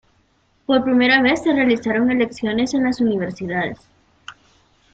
Por primera vez, se realizaron elecciones en las Universidades.